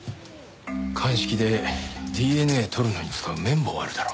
鑑識でＤＮＡとるのに使う綿棒あるだろ？